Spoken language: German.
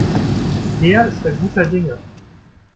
Peer ist da guter Dinge.